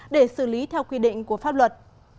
để xử lý theo quy định của pháp luật